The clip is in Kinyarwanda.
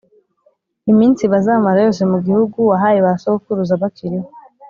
iminsi bazamara yose mu gihugu wahaye ba sogokuruza bakiriho.